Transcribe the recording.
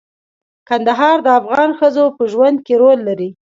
کندهار د افغان ښځو په ژوند کې رول لري.